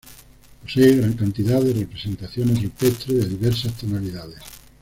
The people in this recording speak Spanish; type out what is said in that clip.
Posee gran cantidad de representaciones rupestres de diversas tonalidades.